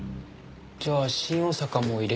じゃあ新大阪も入れとく？